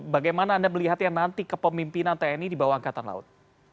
bagaimana anda melihatnya nanti kepemimpinan tni di bawah angkatan laut